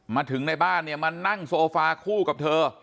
มาถึงในบ้านเนี่ยมานั่งโซฟาคู่กับเธอ